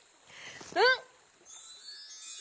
うん！